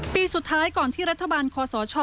ปีสุดท้ายก่อนที่รัฐบาลคอสช